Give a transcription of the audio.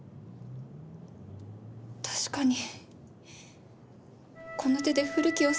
確かにこの手で古木を刺したんです。